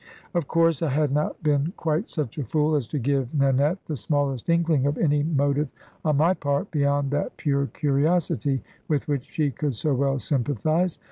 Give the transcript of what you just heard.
Of course I had not been quite such a fool as to give Nanette the smallest inkling of any motive on my part beyond that pure curiosity, with which she could so well sympathise.